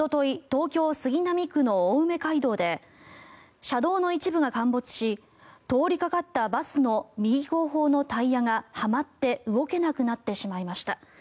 東京・杉並区の青梅街道で車道の一部が陥没し通りかかったバスの右後方のタイヤがはまって動けなくなってしまいました。